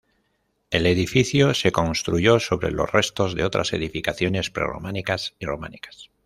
El edificio se construyó sobre los restos de otras edificaciones pre-románicas y románicas.